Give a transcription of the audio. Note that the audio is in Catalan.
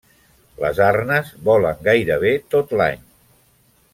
Les arnes volen gairebé tot l'any.